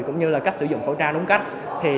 cũng như là cách sử dụng khẩu trang đúng cách